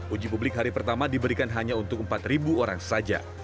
uji publik hari pertama diberikan hanya untuk empat orang saja